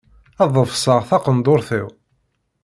Ad ḍefseɣ taqendurt-iw.